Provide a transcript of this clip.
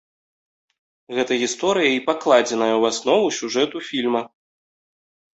Гэта гісторыя і пакладзеная ў аснову сюжэту фільма.